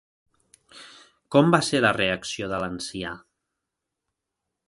Com va ser la reacció de l'ancià?